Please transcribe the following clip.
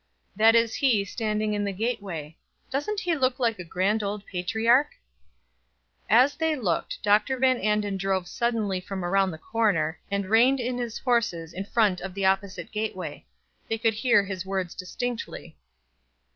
"That is he standing in the gateway. Doesn't he look like a grand old patriarch?" As they looked Dr. Van Anden drove suddenly from around the corner, and reined in his horses in front of the opposite gateway. They could hear his words distinctly.